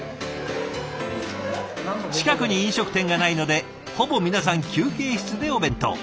近くに飲食店がないのでほぼ皆さん休憩室でお弁当。